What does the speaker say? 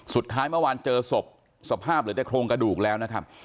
สุดท้ายเมื่อวานเจอศพสภาพเหลือแต่โครงกระดูกแล้วนะครับ